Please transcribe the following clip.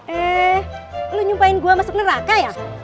eh lo nyumpain gue masuk neraka ya